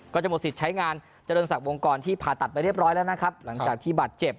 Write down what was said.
ก็จะหมดสิทธิ์ใช้งานเจริญศักดิวงกรที่ผ่าตัดไปเรียบร้อยแล้วนะครับหลังจากที่บาดเจ็บ